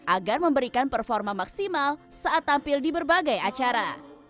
agar memberikan performa maksimal saat tampil di berbagai acara